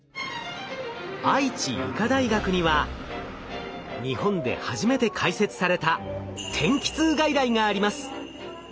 愛知医科大学には日本で初めて開設された天気痛外来があります。